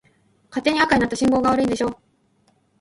勝手に赤になった信号機が悪いんでしょ。